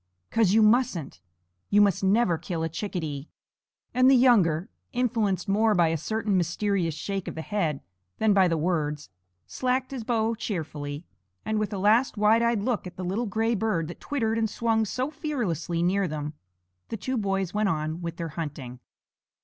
"'Cause you mustn't you must never kill a chickadee." And the younger, influenced more by a certain mysterious shake of the head than by the words, slacked his bow cheerfully; and with a last wide eyed look at the little gray bird that twittered and swung so fearlessly near them, the two boys went on with their hunting.